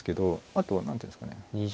あとは何ていうんですかね